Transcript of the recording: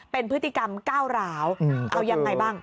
เป็นพฤติกรรมก้าวร้าวเอายังไงบ้าง